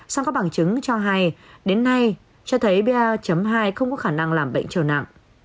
song các bằng chứng cho hay đến nay cho thấy ba hai không có khả năng làm bệnh trở nặng